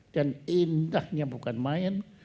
dan indahnya bukan main